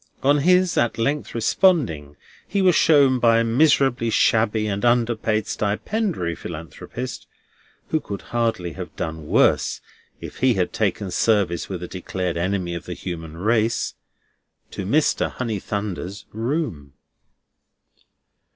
On his at length responding, he was shown by a miserably shabby and underpaid stipendiary Philanthropist (who could hardly have done worse if he had taken service with a declared enemy of the human race) to Mr. Honeythunder's room.